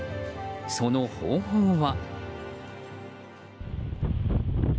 その方法は。